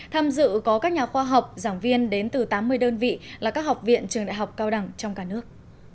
tham dự có các nhà khoa học giảng viên đến từ tám mươi đơn vị là các học viện trường đại học cao đẳng trong cả nước